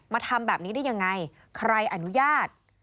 ทำแบบนี้ได้ยังไงใครอนุญาต